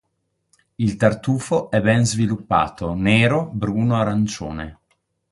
Il tartufo è ben sviluppato, nero, bruno-arancione.